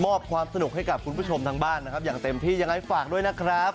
ความสนุกให้กับคุณผู้ชมทางบ้านนะครับอย่างเต็มที่ยังไงฝากด้วยนะครับ